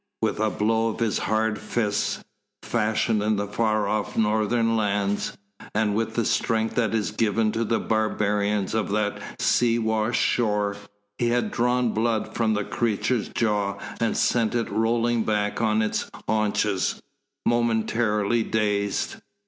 With a blow of his hard fists fashioned in far off Northern lands and with the strength that is given to the barbarians of that sea washed shore, he had drawn blood from the creature's jaw and sent it rolling back on its haunches, momentarily dazed.